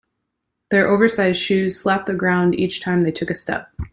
Their oversized shoes slapped the ground each time they took a step.